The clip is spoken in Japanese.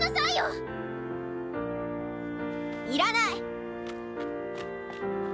いらない！